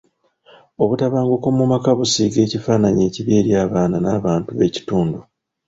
Obutabanguko mu maka busiiga ekifaananyi ekibi eri abaana n'abantu b'ekitundu.